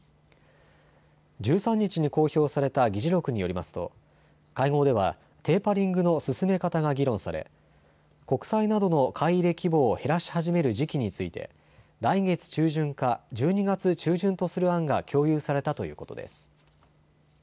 １３日に公表された議事録によりますと会合ではテーパリングの進め方が議論され、国債などの買い入れ規模を減らし始める時期について来月中旬か１２月中旬とする案が共有されたということです。